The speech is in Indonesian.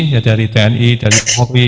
ya dari tni dari polri